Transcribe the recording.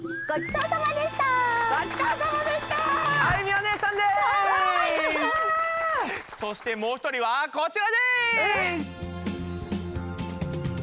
そしてもう１人はこちらです！